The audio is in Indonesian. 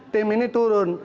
tim ini turun